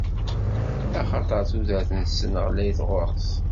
Axaṭer tudert-nsen ɣlayet ɣur-s.